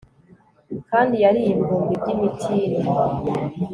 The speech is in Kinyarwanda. kandi yariye ibihumbi by'imitini